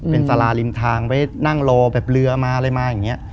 เป็นสาราริมทางไว้นั่งรอแบบเรือมาอะไรมาอย่างนี้